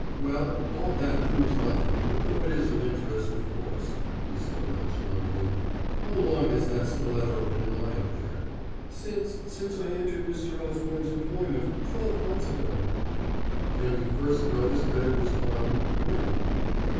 "Well, all that proves nothing, though it is of interest, of course," he said nonchalantly. "How long has that stiletto been lying there?" "Since since I entered Mr. Osborne's employment, twelve months ago." "And you first noticed that it was gone when?"